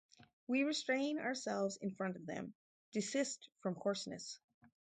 We restrain ourselves in front of them, desist from coarseness.